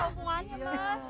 apa hubungannya mas